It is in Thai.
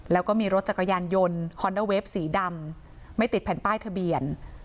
แล้วก็มีรถจักรยานยนต์ฮอนเดอร์เวฟสีดำไม่ติดแผ่นป้ายทะเบียน